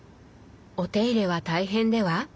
お手入れは大変では？